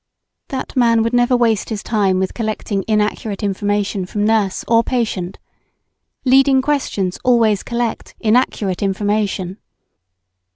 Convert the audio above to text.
That man would never waste his time with collecting inaccurate information from nurse or patient. Leading questions always collect inaccurate information.